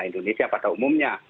indonesia pada umumnya